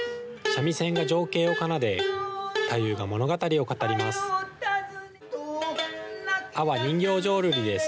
三味線が情景を奏で、太夫が物語を語ります。